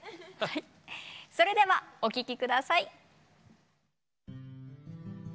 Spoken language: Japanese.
それではお聴き下さい。